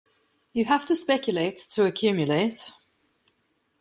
You have to speculate, to accumulate.